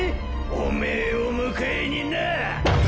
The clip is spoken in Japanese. おめェーを迎えになッ！